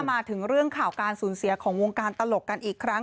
มาถึงเรื่องข่าวการสูญเสียของวงการตลกกันอีกครั้ง